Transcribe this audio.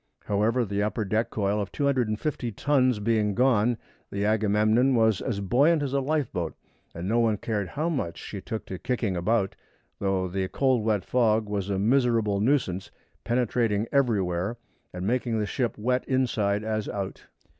However, the upper deck coil of 250 tons being gone, the Agamemnon was as buoyant as a lifeboat, and no one cared how much she took to kicking about, though the cold wet fog was a miserable nuisance, penetrating everywhere and making the ship as wet inside as out.